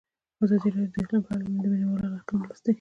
ازادي راډیو د اقلیم په اړه د مینه والو لیکونه لوستي.